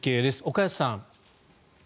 岡安さん。